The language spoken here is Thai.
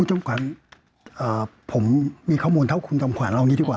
คุณจมขวานผมมีข้อมูลเท่าคุณจมขวานเรานี้ดีกว่า